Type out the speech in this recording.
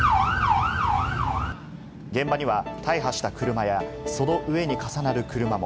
現場には大破した車や、その上に重なる車も。